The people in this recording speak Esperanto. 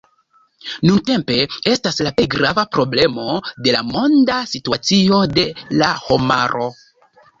Nuntempe estas la plej grava problemo de la monda situacio de la homaro.